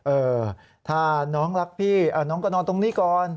เออถ้าน้องรักพี่น้องก็นอนตรงนี้ก่อน